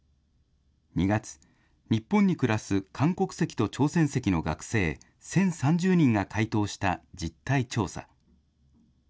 ２月、日本に暮らす韓国籍と朝鮮籍の学生１０３０人が回答した実態調査。